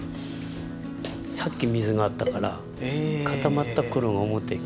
さっき水があったから固まった頃表へ。